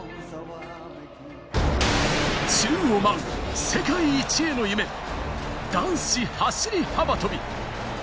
宙を舞う、世界一への夢、男子走り幅跳び。